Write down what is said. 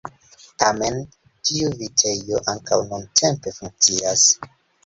Tamen tiu vitejo ankaŭ nuntempe funkcias.